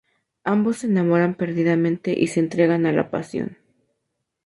Ambos se enamoran perdidamente y se entregan a la pasión.